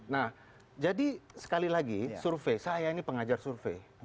nah jadi sekali lagi survei saya ini pengajar survei